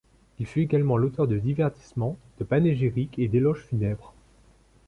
Il fut également l'auteur de divertissements, de panégyriques et d'éloges funèbres.